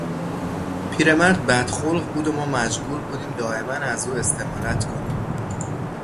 پیرمرد بدخلق بود و ما مجبور بودیم دائما از او استمالت کنیم.